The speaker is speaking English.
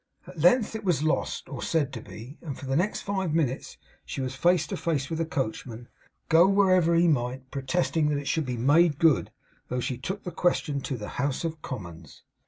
At length it was lost, or said to be; and for the next five minutes she was face to face with the coachman, go wherever he might, protesting that it should be 'made good,' though she took the question to the House of Commons.